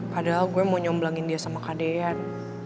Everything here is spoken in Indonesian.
padahal gue mau nyomblangin dia sama kadean